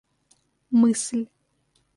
мысль